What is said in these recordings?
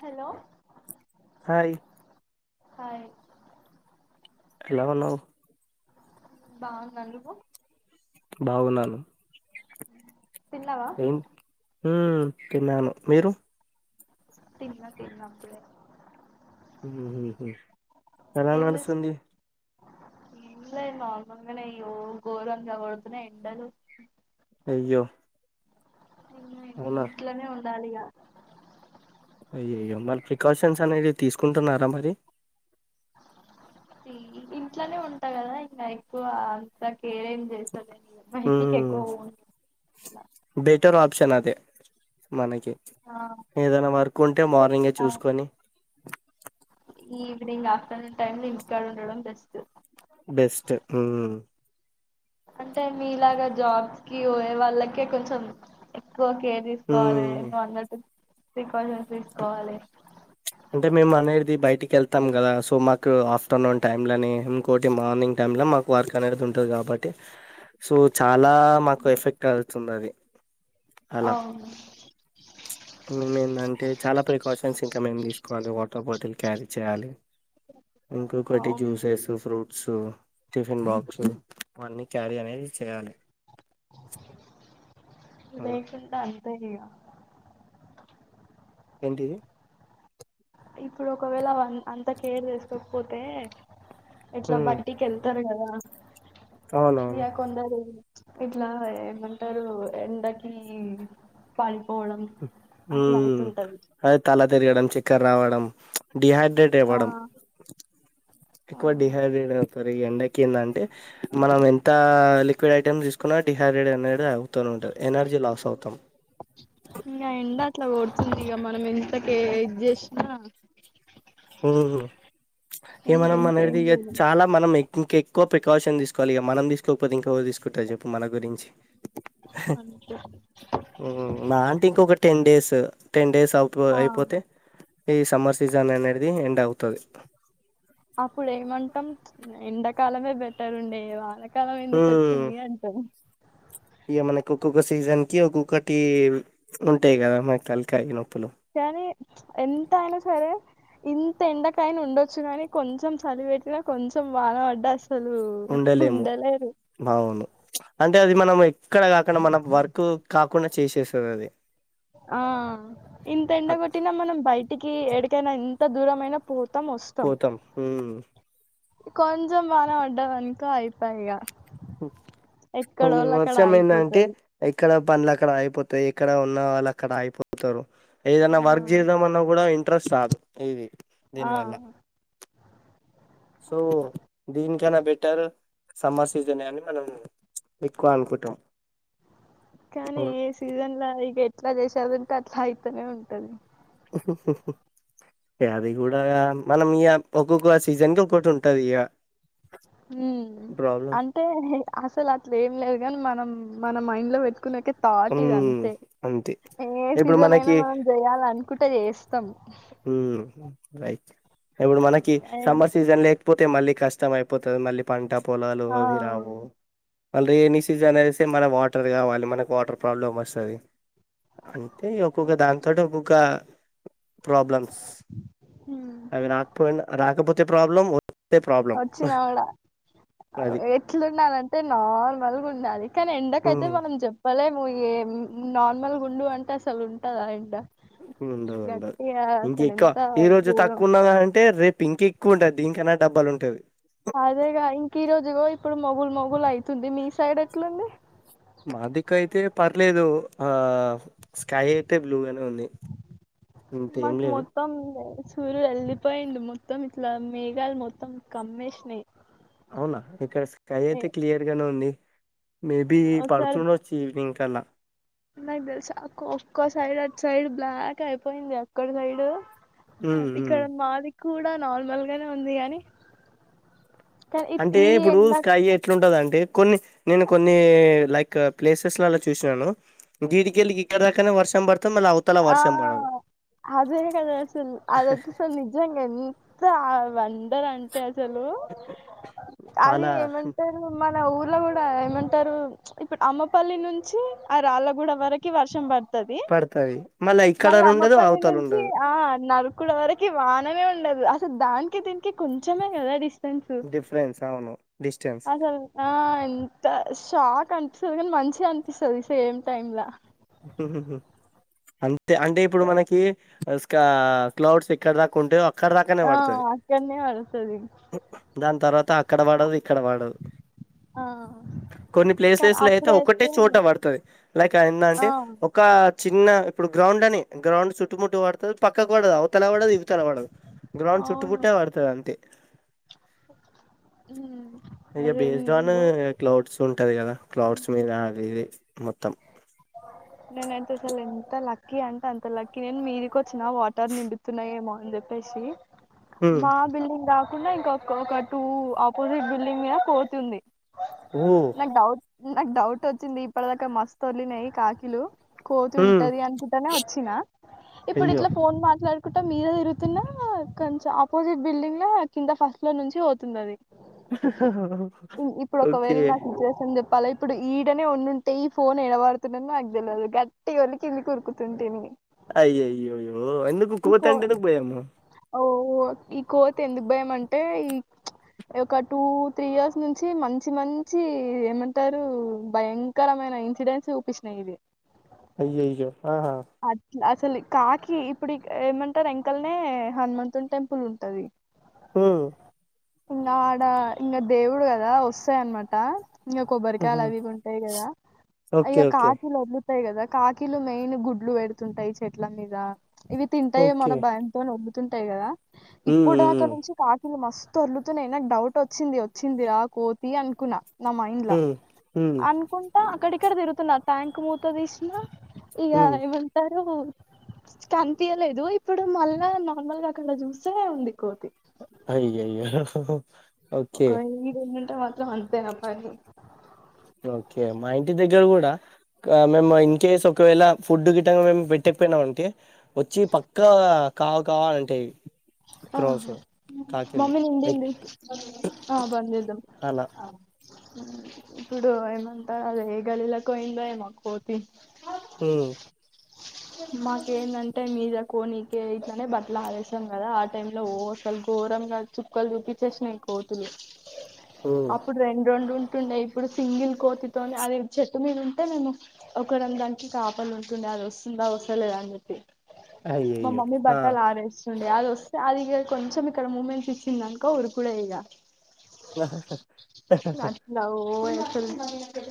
Hello hi hi ఎలాగున్నావ్ మ్ బాగున్నా నువ్వు బాగున్నాను తిన్నావా హ్మ్ తిన్నాను మీరు తిన్న తిన్నా ఇప్పుడే హ్మ్ హు హ్మ్ ఎలాగా ఏం చేస్ నడుస్తుంది ఏం లేదు నార్మల్ గనే అయ్యో గోరంగా కొడుతున్నాయి ఎండలు అయ్యో అవునా ఇంట్లోనే ఉండాలిగా అయ్యాయో మరి ప్రికాషన్స్ అనేది తీసుకుంటున్నారా మరీ తీ ఇంట్లోనే ఉంటా కదా ఇంకా ఎక్కువ అంతా మ్మ్ పోను ఇట్లా బెటర్ ఆ ఆప్షన్ అదే మనకి ఆ కే ఏదైనా వర్క్ ఉంటే అంటే మార్నింగే చూసుకొని ఈవనింగ్ ఆఫ్టర్నూన్ టైమ్ లో ఇంటికాడ ఉండడం బెస్ట్ బెస్ట్ మ్మ్ అంటే మీలాగా జాబ్స్ కి పోయే వాళ్ళకే కొంచెం ఒకే కేర్ మ్మ్ తీసుకోవాలిమో అన్నట్టు ప్రికాషన్స్ తీసుకోవాలి అంటే మేము అనేడిది బయటికి వెళ్తాం కదా సో మాకు ఆఫ్టర్నూన్ టైంలోని ఇంకోటి మార్నింగ్ టైంలో మాకు వర్క్ అనేది ఉంటుంది కాబట్టి సో చాలా మాకు ఎఫెక్ట్ అ తున్నది అవును మేమేందంటే చాలా ప్రికాషన్స్ ఇంకా మేం తీస్తాం వన్ వాటర్ బాటిల్ క్యారీ చేయాలి ఇంకొకటి అవును juices fruit so tiffin box అన్నీ క్యారీ అనేది చేయాలి అలా పేయా ఏంటిది ఇప్పుడు ఒకవేళ అ అంతా కేర్ చేసుకోకపోతే ఇట్లా ఉమ్ బట్టి కిెళ్తారు కదా ఆ అవునవును యా కొందరూ ఇట్లా ఏమంటారు ఎండకి పాలిపోవడం ఊ అదే తల తిరగడం చక్కర రావడం చ్ డిహైడ్రేట్ ఆ ఇవ్వడం ఆ ఎక్కువ డిహైడ్రేట్ అవుతాది ఈ ఎండ ఇంకేదంటే మనం ఎంత లిక్విడ్ ఐటెమ్స్ తీసుకున్నా డిహైడ్రేట్ అనేది రావు తను ఉంటది ఎనర్జీ లాస్ అవుతాం ఇక మనం ఎంతకే ఎడ్జ్ చేసినా మ్మ్ ఏ- మనం ఎంత ఏం మనదాధి ఇక చేయలేం చాలా మనం ఇంకా ఎక్కువ ప్రికాషన్ తీసుకోవాలి ఇక మనం తీసుకోకపోతే ఇంకో తీసుకుంటారు చెప్పు మన గురించి అంతే మా ఆంటీ ఇంకొక టెన్ డేస్ టెన్ డేస్ సావు ఆ అయిపోతే ఈ సమ్మర్ సీజన్ అనే అది ఎండ్ అవుతుది అప్పుడు ఏమంటాం ప్చ్ ఎండాకాలమే బెటర్ ఉండే వాళ్ళకి కాలం ఎందుకు వచ్చింది అంటాం ఇగా మనకూ ఒక్కొక్క సీజన్ కి ఒక్కొక్కటి ఉంటాయి కదా మన తలకాయి నొ కానీ ప్చ్ ఎంతయినా సరే ఇంత ఎండకాయిన్ ఉండొచ్చు గానీ కొంచెం చల్లిపెట్టినా కొంచెం వాన పడ్డాస్ ఉండలేము బావును ప్చ్ అంటే అది మనం ఎక్కడ కాక్ అక్కడ మనకూ వర్క్ కాకుండా చేసేస్తాదాది ఆ ఇంత ఎండ కొట్టిన మనం బయటికి ఎడిక్ [unintelligible] ఎంత దూరంమైనా పో పోతాం హ్మ్ కొంచెం వాన పడ్డదన్కొ అయిపోయ్ ఇక మ్ ఈడ వర్షమయిందంటే ఆగిపోతారు ఇక్కడ పనులు అక్కడ ఆగిపోతాయి ఎక్కడ ఉన్న వాళ్ళు అక్కడ ఆగిపోతారు ఏదన్నా ఆ వర్క్ చేద్దామన్నా కూడా ఇన్ ఇంట్రస్ట్ రాదు ఏది ఆ సో దీన్ చనా బెటర్ సమ్మర్ సీజన్ అని మనం ఎక్కువ అనుకుంటాం కానీ సీజన్లా ఇగ అట్లా చేసేదింటే అట్లా అయితేనే ఉంటది ఆహ్ హు హు హు ఇ అది కూడా మనం ఇక ఒక్కొక్క సీజన్ కి ఒకటి ఉంటది ఇక ఉమ్ అంటే అసలు అట్లు ఏం లేదు కాని మనం మన మైండ్ లో పెట్టుకున్నాక థాట్ ఇది మ్మ్ అంతే అంతే ఏ ఇప్పుడు సిజన్ అయినా మనకి మనం చేయాల అనుకుంటే చేస్తాం ఉమ్ రయిట్ ఇప్పుడు మనకి అండ్ సమ్మర్ సీజన్ లే కపోతే మళ్ళీ కష్టం అయిపోతుంది మళ్ళ పంట పొలాలు ఆ అ రావు మ ఎన్ని సీజన్ వే మన వా టర్ కావాలి మనకు వాటర్ ప్రాబ్లమ్ వస్తుంది అంటే ఒక్కొక్క దానింతోటి ఒక్కొక్క ప్రాబ్లమ్స్ హ్మ్, అవి రాకపోయి రాకపోతే ప్రాబ్లమ్ వచ్చినావిడ అది ఎట్లుండాలంటే నార్మల్గా ఉండాలి కానీ ఎండకయితే ఉమ్, మనం చెప్పలేమ్ ఏ నార్మల్ గుండు అంటే అసలు ఉంటదా ఎండ ఉండద్ ఉండదు గట్టిగా అసలు ఇంకెక్కువ ఎంత ఈ రోజు ఘోరం తక్కువ ఉన్నదంటే రేపు పింక్ ఎక్కువ ఉంటది దీనికన్న డబ్బల్ ఉంటది అదేగా ఇంక ఈ రోజు ఇప్పుడు మొగులు మొగులు అవుతుంది మీ సైడ్ ఎట్లుంది మాదిిక అయితే పర్లేదు ఆ స్కై అయితే బ్లూగానే ఉంది ఇంటే ఏం మాకు లేదు మొత్తం సూర్యుడు వెళ్ళిపోయిండు మొత్తం ఇట్లా మేఘాలు మొత్తం కమ్మేసినయి అవునా ఇక్కడ స్కై అయితే క్లియర్ గానే ఉంది మేబి ఒకసారి పడుతుండచ్చు ఈవినింగ్కి [unintelligible] చల నాకు తెలు అక్క ఒక్క సైడ్ అది సైడ్ బ్లాక్ అయిపోయింది అక్కడి సైడ్ ఉమ్, ఉమ్. అదిక్కడ మాది కూడా నార్మల్ గానే ఉంది గానీ అంటే ఇప్పుడు స్కై ఎట్లుంటదంటే అంటే కొన్ని నేను కొన్ని లైక్ ప్లేసెస్లలా చూసినాను గీడికెళ్ళి గిగడ దాకనే వర్షం పడ్ ఆ అదే కద అసల్ అదసల్ నిజంగా ఆ వన్ ఇద్దరు అంటే అసలు అది చాలా ఏమంటారు మ ఇలా ఊర్లో కూడా ఏమంటారు ఇప్పుడు అమ్మపల్లి నుంచి ఆ రాళ్ళగూడ వరకి వర్షం పడుతుంది తది పడతది మళ్ళా ఇక్కడ మళ్ళీ ఉండదు అమ్మపల్లి అవతల నుంచి ఉండదు ఆ నరకుడు వరకి వాననే ఉండదు అసలు దానికి దీనికి కొంచెమే కలడిస్ట సన్స్ డిఫరెన్స్ అవును డిస్టెన్స్ అసలు ఆ ఎంత షాక్ అం చదువుకోని మంచిగా అనిపిస్తది సేమ్టైమ్ లొ [inaudible] అంతే అంటే ఇప్పుడు మనకి క్లౌడ్స్ ఇక్కడ దాకా ఉంటే ఆ అక్కడనేే వారసది దాని తర్వాత అక్కడ పడది ఇక్కడ పడదు ఆ కొన్ని కానీ ప్లేసెస్ లో అయితే ఒక్కటే అప్పుడైతే చోట పడతది లైక్ ఆ ఏందంటే ఒక చిన్న ఇప్పుడు గ్రౌండ్ అని గ్రౌండ్ చుట్టుముట్టు పడుతది. పక్కకు పడదు అవతల పడదు ఇవతల పడదు. గ్రౌండ్ చుట్టుముట్టే పడుతది అంతే హమ్ ఇగ అదే బేస్డ్ హమ్ ఆన్ ఓ క్లౌడ్స్ ఉంటది కదా క్లౌడ్స్ మీద అది ఇది మొత్తం నేనైతే అసలు ఎంత లక్కీ అంటే అంత లక్కీ నేను వీధికి వచ్చిన వాటర్ నిండుతున్నాయేమో అని చెప్పేసి ఉమ్ మా బిల్డింగ్ కాదు కాకుండా ఇంకొక్క ఒక టూ ఆపోజిట్ బిల్డింగ్ మీద కోతి ఉంది ఓ నాకు డౌట్ నాకు డౌట్ వచ్చింది ఇప్పటిదాకా మస్తు తొర్రినాయి కాకిలు కోతి ఉమ్ ఉంటది అనుకుంటూనే వచ్చినా ఇప్పుడు అయ్యో ఇట్లా ఫోన్ మాట్లాడు టే మీద తిరుగుతున్న ఆ కొంచెం ఆపోజిట్ బిల్డింగ్ లో కింద ఫస్ట్ ఫ్లోర్ నుంచి పోతుంది అది హహ్ హహ్ హ ఓకే వాళ్ల ఇప్పుడు ఈడనే ఉండుంటే ఫోన్ ఏడపడుతుండెనో నాకు తెలియదు గట్టిగా ఒర్రి కిందికి ఉరుకుతుంటిని అయ్యయ్యో ఓ ఎందుకు ఈ కోతి కో అంటే ఎందుకు భయము ఓ ఈ కోతి ఎందుకు భయం అంటే ఈ ఒక్క టూ త్రీ ఇయర్స్ నుంచి మంచి మంచి ఏమంటారు భయంకరమైన ఇన్సిడెంట్స్ చూపించినాయి ఇది అయ్యయ్యో ఆహా అట్లా అసలు కాకి ఇప్పుడు ఈ ఏమంటారు వెంకల్నే హనుమంతుని టెంపుల్ ఉంటది హమ్ ఇంకా ఆడ ఇంకా దేవుడు కదా వస్తాయన్నమాట ఇంకా కొబ్బరికాయలు ఉహు అవి ఇవి ఉంటాయి కదా ఓకే అయ్యో ఓకే కాకిలు వస్తాయి కదా కాకిలు మెయిన్ గుడ్లు పెడుతుంటాయి చెట్ల మీద ఇవి తింటాయేమొ ఓకే అనే భయంతోని వద్దు ఉంటాయి కదా ఉమ్ ఇప్పుడు దాకా ఉమ్ నుంచి కాకి న్ని మస్తు ఒర్రుతున్నాయి నాకు డౌటు వచ్చింది వచ్చిందిరా కోతి అనుకున్నా నా మైండ్ల ఉమ్ ఉమ్ అనుకుంటా అక్కడ ఇక్కడ తిరుగుతున్న ట్యాంక్ మూత తీసిన ఈగా ఉమ్ ఏమంటారు హు కనిపియ్యలేదు ఇప్పుడు మల్ల నార్మల్గా అక్కడ చూస్తే ఉంది కోతి అయ్యయ్యో హ ఒక వెయ్యి ఉన్న అంటే మాత్రం అంతే నాపని ఓకే మా ఇంటి దగ్గర కూడా మేము ఇన్ కేస్ ఒకవేళ ఫుడ్ గిట్టంగా మేము పెట్టకపోయినము అంటే వచ్చి పక్కా కావు కావు అంటయ్ ఆహా మమ్మీ ఎగ్ నిండింది ఆ బంజేద్దాం అలా ఇప్పుడు ఏమంటారు అది ఏ గల్లీలకు పోయిందో ఏమో కోతి ఉ మాకేందంటే మీద కోనీకే ఇట్లనే బట్టలు ఆరేసాం కదా ఆ టైమ్ లో ఓ అసలు ఘోరంగా చుక్కలు చూపించేసినయ్ కోతులు ఉమ్ అప్పుడు రెండు రొండు ఉ టుండే ఇప్పుడు సింగిల్ కోతితోని అది చెట్టు మీద ఉంటే మేము ఒకరం దానికి కాపలుంటుండే అది వస్ తుందా వస్తలేదా అని చెప్పి మా అయ్యయ్యో మమ్మీ ఆ బట్టలారేస్తుంది అది వస్తే అది ఇ కొంచెం ఇక్కడ మూమెంట్ ఇచ్చిందినుకో ఉరుకుడ ఇక హా హా హా హా అ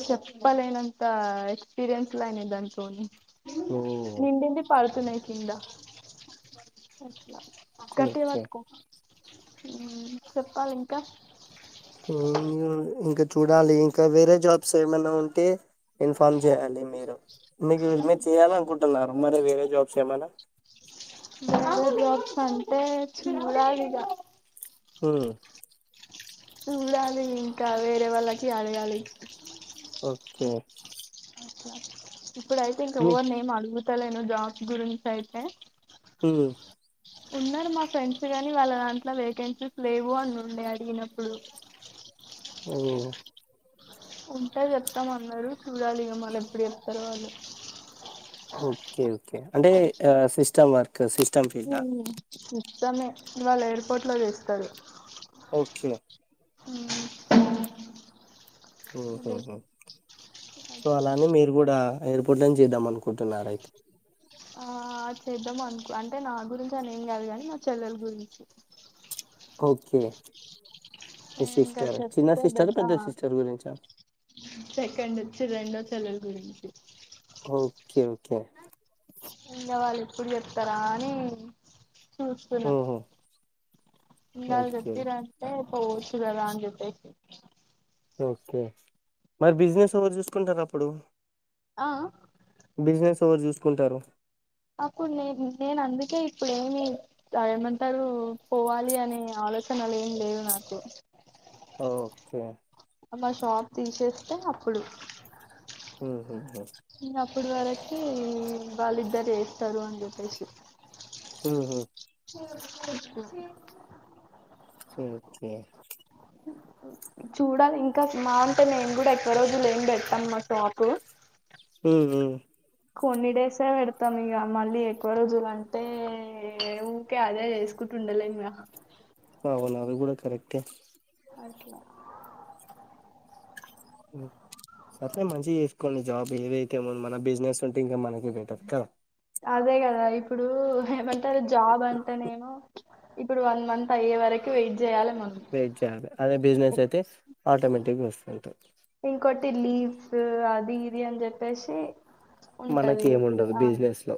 చెప్పలేనంత ఎక్స్పీరియన్స్ లాయినదంతని ఓ నిండిడి పడుతున్నాయి కిందట్లా ఓకే ఓకే కట్టేవాట్కో ఉమ్ చెప్పాలి ఇంకా ఇంక చూడాలి ఇంకా వేరే జాబ్ ఏమనా ఉంటే ఇన్ఫార్మ్ చేయాలి మీరు మీకు మీరు చెయాల అనుకుంటున్నారు మరి వేరే జాబ్స్ ఏమైనా అ చుడాలి ఇగా ఉమ్ చూడాలి ఇంకా వేరే వాళ్ళకి అడగాలి ఓకే అట్లా ఇప్పుడు అయితే ఇంక మీ ఎవరి నేమ్ అగు లనుో జాబ్స్ గురించి అయితే ఉమ్ ఉన్నారు మా ఫ్రెండ్స్ కాగానీ వాళ్ళ దాంట్లో వేకెన్సీస్ లేవు అని ఉండే అడిగినప్పుడు ఓ ఉంటా చెప్తామ అన్నారు చూడాలి ఇక మళ్ళ ఎప్పుడు చెప్తారుో వాళ్ళు ఓకే ఓకే అంటే సిస్టమ్ వర్క్ సిస్టమ్ ఫీల్డ్ ఇవాళ్ళ ఎయిర్పోర్ట్లో చేస్తారు ఓకే ఉమ్ ఓహ్ హో సో అలానే మీరు కూడా ఎయిర్పోర్ట్లోని చేద్దాం అనుకుంటున్నారు అయితే ఆ చేద్దాం అనుకో అంటే నా గురించి అని ఏం కాదుగాని మా చెల్లెల గురించి ఓకే మీ ఇంకా సిస్టర్ చిన్న చెప్తే సిస్టరా? బట పెద్ద సిస్టర్ గురించా? సెకండ్ వచ్చి రెం వచ్చి లలు గుంది ఓకే ఓకే ఇంగ వాళ్ళు ఎప్పుడు చెప్తరాని చూస్తున్నం హుహు. ఇంగాళ్ ఓకే. చెప్పిరంటే పోవొచ్చు గదా అని చెప్పేస్ ఓకె మరి బిజినెస్ ఎవరు చూస్కుంటరు అప్పుడు ఆ అ బిజినెస్ ఎవరు చూస్కుంటారు అప్పుడు నేన్ నేనందుకే ఇప్పుడు ఏమి అ ఏమంటారు పోవాలి అని ఆలోచనలు ఎం లేవు నాకు ఓకే. అమా షాప్ తీసేస్ తె అప్పుడు ఉహుహు ఇగ అప్పడు వరకి వాళ్ళిద్దరు చేస్తరు అని చెప్పేశి హుహు. [inaudible] కె ఒకే చూడాలింక మా ఉంటె నేన్ గుడా ఎక్కువ రోజులెం పెట్టను మా షాప్ హమ్ హమ్ కొన్ని డేసే వెడ్తం ఇగ మళ్ళీ ఎక్కువ రోజులంటే ఊకే అదే చేసుకుంటా ఉండలెం గ అవును అది గుడా కరెక్టే అట్ల మ్ వస్తే మంచిగా చేస్కొండి జాబ్ ఏదైతే ఉంది మన బిజినెస్ ఉంటే ఇంక మనకె బెటర్ కదా అదే గదా ఇప్పుడు ఏమం ది జాబ్ అంటేనేమో ఇప్పుడు వన్ మంత్ అయ్యే వరకి వేట్ వేట్ జెయాలే అదె బిజినెస్ ఐతే ఆటోమేటిక్గ ఒస్తుంట ఇంకొటి లీవ్స్ అది ఇది అని జెప్పేశి మనకి ఏముండవు బిజినెస్ లో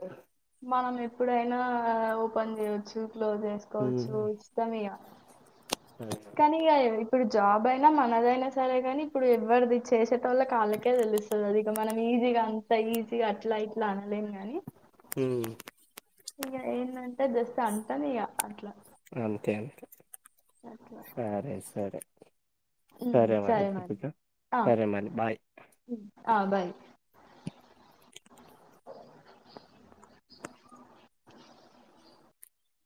మనం ఎప్పుడైనా ఓపెన్ చేయోచ్చు క్లోజ్ ఉమ్ చేస్కోవచ్చు ఇష్టం ఇగ కనిగా ఇప్పుడు జాబ్ ఐనా మనదైనా సరే గనీప్పుడు ఎవ్వరిది చేశే ల్లకు ఆళ్లకే తెలుస్తది ఇ మనం ఈజీగా అంత ఈజీగా అట్ల ఇట్ల అన్లెం గాని ఉమ్ ఇంగ ఎందంటె జస్ట్ అంటన్ అట్ల అంతే అంతె అట్లా సరే సరే సరే మరి సరే మరి బాయ్ ఆ బాయ్